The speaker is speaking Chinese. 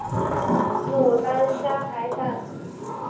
牡丹虾海胆